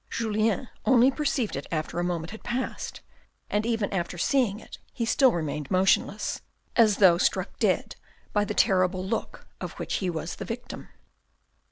Julien only perceived it after a moment had passed, and even after seeing it, he still remained motionless, as though struck dead by the terrible look of which he was the victim.